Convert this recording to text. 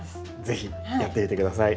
是非やってみて下さい。